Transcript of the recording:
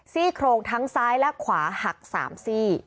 ซี่โครงทั้งซ้ายและขวาหัก๓ซี่